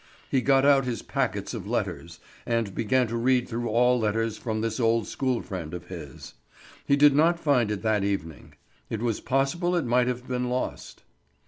He got out his packets of letters, and began to read through all letters from this old school friend of his. He did not find it that evening. It was possible it might have been lost.